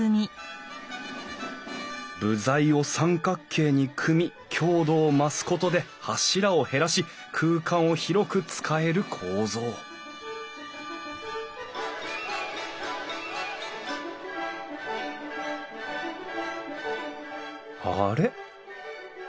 部材を三角形に組み強度を増すことで柱を減らし空間を広く使える構造あれ？